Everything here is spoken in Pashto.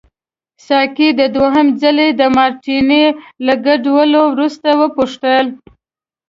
ساقي د دوهم ځلي د مارټیني له ګډولو وروسته وپوښتل.